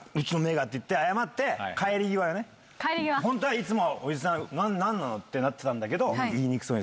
いつも「おじさん何なの？」ってなってたんだけど。